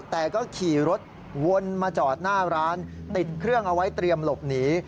แต่ก็ขี่รถวนมาจอดหน้าร้านติดเครื่องเอาไว้เตรียมหลบหนี